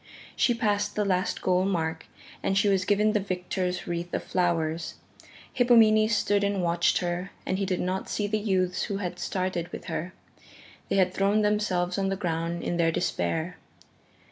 She passed the last goal mark and she was given the victor's wreath of flowers. Hippomenes stood and watched her and he did not see the youths who had started with her they had thrown themselves on the ground in their despair.